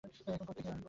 এখন, কোত্থেকে আনব?